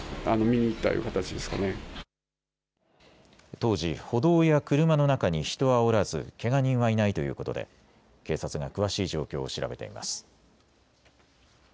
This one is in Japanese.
当時、歩道や車の中に人はおらずけが人はいないということで警察が詳しい状況を調べています。